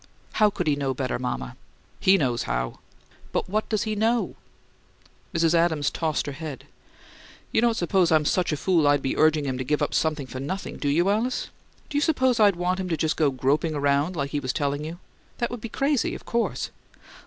"How could he 'know better,' mama?" "HE knows how!" "But what does he know?" Mrs. Adams tossed her head. "You don't suppose I'm such a fool I'd be urging him to give up something for nothing, do you, Alice? Do you suppose I'd want him to just go 'groping around' like he was telling you? That would be crazy, of course.